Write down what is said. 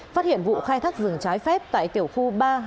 phát hiện vụ khai thác rừng trái phép tại tiểu khu ba trăm hai mươi